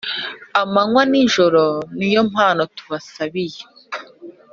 amanywa n` ijoro ni yo mpano tubasabiye